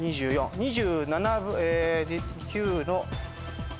２７９の。